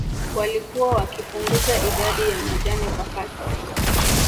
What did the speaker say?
Walikuwa wakipunguza idadi ya majani kwa kasi